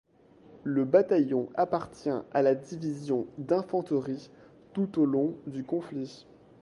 Le bataillon appartient à la division d'infanterie tout au long du conflit.